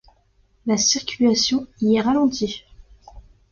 La circulation y est ralentie.